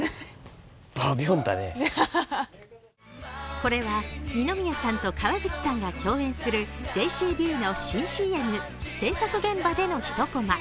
これは二宮さんと川口さんが共演するＪＣＢの新ＣＭ、制作現場での一コマ。